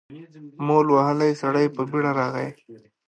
مول وهلی سړی په بېړه راغی.